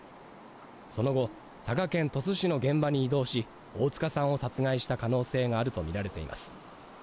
その後、佐賀県鳥栖市の現場に移動し大塚さんを殺害した可能性があるとみられています。